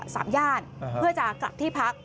สามย่านเพื่อจะกลับที่พัก